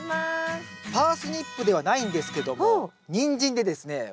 パースニップではないんですけどもニンジンでですね